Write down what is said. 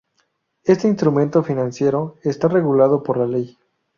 Este instrumento financiero está regulado por la ley.